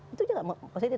itu juga positif